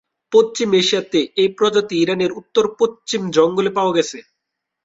পশ্চিম এশিয়াতে, এই প্রজাতি ইরানের উত্তরপশ্চিম জঙ্গলে পাওয়া গেছে।